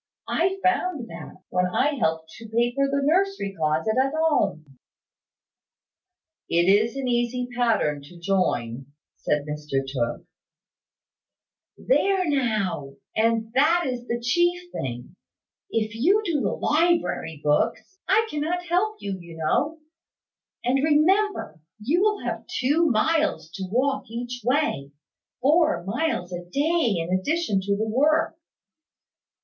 I found that, when I helped to paper the nursery closet at home." "It is an easy pattern to join," said Mr Tooke. "There now! And that is the chief thing. If you do the library books, I cannot help you, you know. And remember, you will have two miles to walk each way; four miles a day in addition to the work."